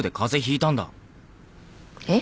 えっ？